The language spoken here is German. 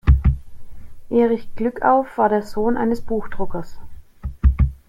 Erich Glückauf war der Sohn eines Buchdruckers.